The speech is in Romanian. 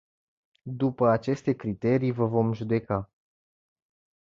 După aceste criterii vă vom judeca.